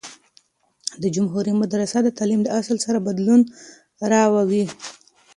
د جمهوری مدرسه د تعلیم د اصل سره بدلون راووي.